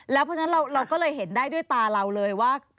เพราะฉะนั้นเราก็เลยเห็นได้ด้วยตาเราเลยว่า